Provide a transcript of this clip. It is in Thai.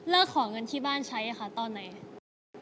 เลิกขอเงินที่บ้านใช้ตอนไหน